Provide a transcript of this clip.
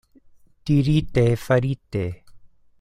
Dirite, farite.